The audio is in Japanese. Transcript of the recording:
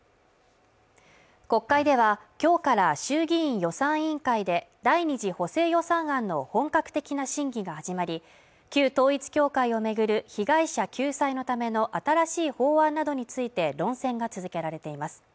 国会ではきょうから衆議院予算委員会で第２次補正予算案の本格的な審議が始まり旧統一教会をめぐる被害者救済のための新しい法案などについて論戦が続けられています